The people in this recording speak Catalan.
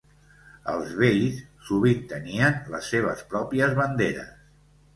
Els beis sovint tenien les seves pròpies banderes.